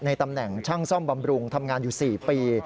ตำแหน่งช่างซ่อมบำรุงทำงานอยู่๔ปี